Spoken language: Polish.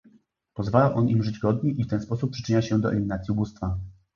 Pozwala on im żyć godnie i w ten sposób przyczynia się do eliminacji ubóstwa